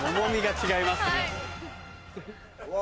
・うわ